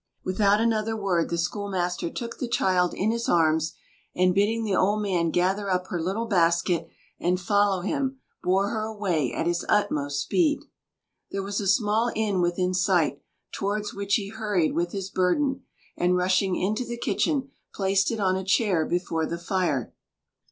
Without another word the schoolmaster took the child in his arms, and bidding the old man gather up her little basket and follow him, bore her away at his utmost speed. There was a small inn within sight, towards which he hurried with his burden, and rushing into the kitchen, placed it on a chair before the fire.